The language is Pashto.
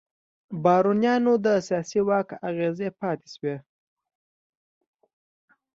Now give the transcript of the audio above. بارونیانو د سیاسي واک اغېزې پاتې شوې.